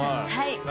はい。